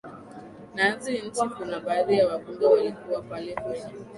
na hizi nchi kuna baadhi ya wabunge walikuwa pale kwenye